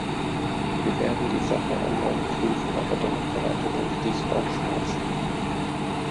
Wir werden die Sache erneut prüfen, aber dennoch bereitet uns dies Bauchschmerzen.